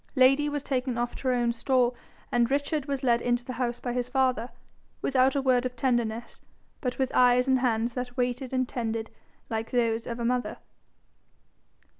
Lady was taken off to her own stall, and Richard was led into the house by his father without a word of tenderness, but with eyes and hands that waited and tended like those of a mother.